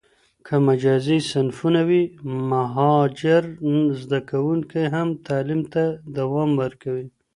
که مجازي صنفونه وي، مهاجر زده کوونکي هم تعلیم ته دوام ورکوي.